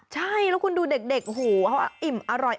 ใช่แล้วคุณดูเด็กหูเขาอิ่มอร่อย